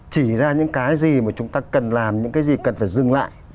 chỉ ra những cái gì mà chúng ta cần làm những cái gì cần phải dừng lại